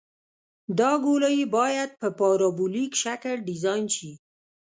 دا ګولایي باید په پارابولیک شکل ډیزاین شي